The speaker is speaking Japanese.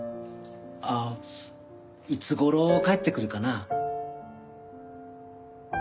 あっいつ頃帰ってくるかな？